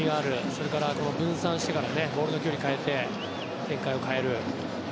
それから、分散してからボールの距離を変えて展開を変える。